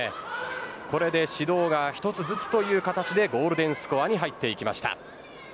これで指導が１つずつという形でゴールデンスコアに入っていきました。